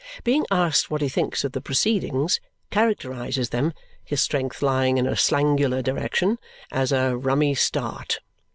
Being asked what he thinks of the proceedings, characterizes them (his strength lying in a slangular direction) as "a rummy start."